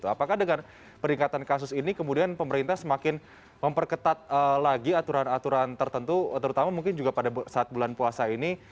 apakah dengan peningkatan kasus ini kemudian pemerintah semakin memperketat lagi aturan aturan tertentu terutama mungkin juga pada saat bulan puasa ini